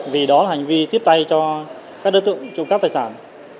vì đó là hành vi tiếp tay cho các đối tượng trộm cắp tài sản